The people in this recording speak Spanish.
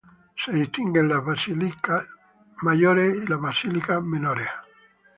Se distinguen las "basílicas mayores" y las "basílicas menores".